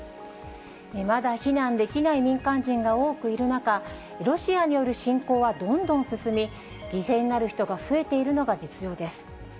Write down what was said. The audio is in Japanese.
まだ避難できない民間人が多くいる中、ロシアによる侵攻はどんどん進み、犠牲になる人が増えているのが実情です。